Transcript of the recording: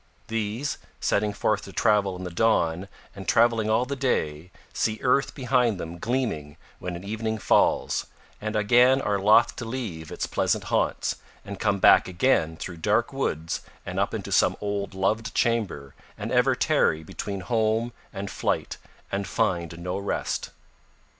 These, setting forth to travel in the dawn and travelling all the day, see earth behind them gleaming when evening falls, and again are loth to leave its pleasant haunts, and come back again through dark woods and up into some old loved chamber, and ever tarry between home and flight and find no rest.